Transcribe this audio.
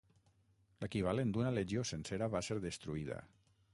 L'equivalent d'una legió sencera va ser destruïda.